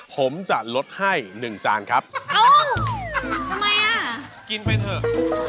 ผมจะลดให้หนึ่งจานครับเอ้าทำไมอ่ะกินไปเถอะ